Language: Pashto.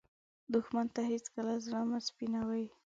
دښمن ته هېڅکله زړه مه سپينوې